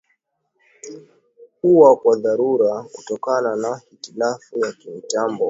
ua kwa dharura kutokana na hitilafu ya kimitambo